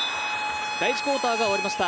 第１クオーターが終わりました。